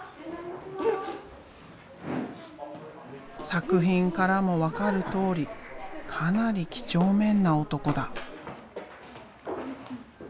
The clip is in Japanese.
作品からも分かるとおりかなり几帳面な男だ。